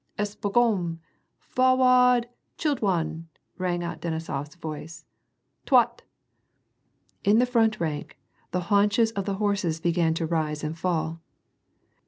p " S Bogorn I Fohwahd, childwen," rang out Denisof s voice, " twot !" In the front rank, the haunches of the horses began to rise and fall.